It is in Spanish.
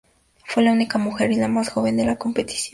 Fue la única mujer y la más joven de la competición.